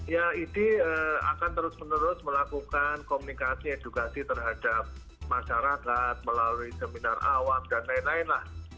ya idi akan terus menerus melakukan komunikasi edukasi terhadap masyarakat melalui seminar awam dan lain lain lah